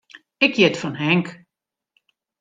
Ik hjit fan Henk.